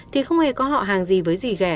thì không hề có họ hàng gì với dì gẻ